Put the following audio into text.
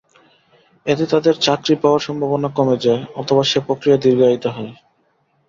এতে তাঁদের চাকরি পাওয়ার সম্ভাবনা কমে যায় অথবা সে প্রক্রিয়া দীর্ঘায়িত হয়।